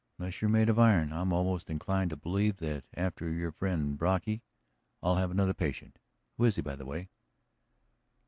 "Unless you're made of iron I'm almost inclined to believe that after your friend Brocky I'll have another patient. Who is he, by the way?"